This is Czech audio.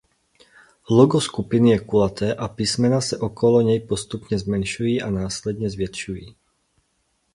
Logo skupiny je kulaté a písmena se okolo něj postupně zmenšují a následně zvětšují.